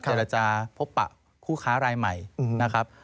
เจรจาพบปะคู่ค้ารายใหม่นะครับ